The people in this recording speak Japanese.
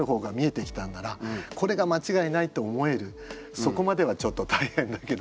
そこまではちょっと大変だけどね。